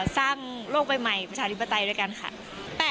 สร้างโลกใบใหม่ประชาธิปไตยด้วยกันค่ะ